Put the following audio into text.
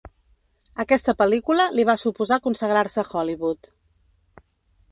Aquesta pel·lícula li va suposar consagrar-se a Hollywood.